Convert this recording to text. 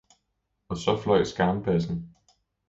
Og så fløj skarnbassen.